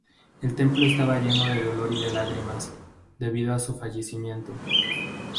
El templo estaba lleno de dolor y de lágrimas, debido a su fallecimiento.